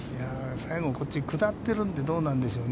最後、こっちに下ってるんで、どうなんでしょうね。